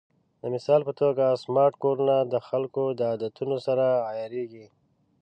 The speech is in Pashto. د مثال په توګه، سمارټ کورونه د خلکو د عادتونو سره عیارېږي.